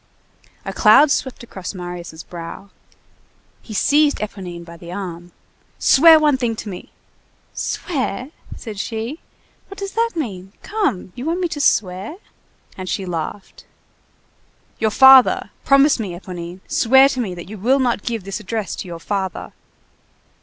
A cloud swept across Marius' brow. He seized Éponine by the arm:— "Swear one thing to me!" "Swear!" said she, "what does that mean? Come! You want me to swear?" And she laughed. "Your father! promise me, Éponine! Swear to me that you will not give this address to your father!"